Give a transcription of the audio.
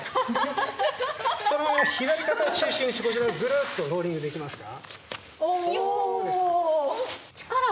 そのまま左肩を中心にしてこちらの方にグルッとローリングできますか？